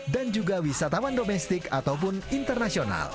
dan juga wisatawan domestik ataupun internasional